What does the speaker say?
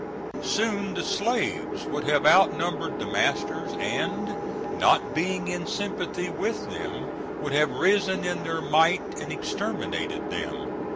Soon the slaves would have outnumbered the masters, and, not being in sympathy with them, would have risen in their might and exterminated them.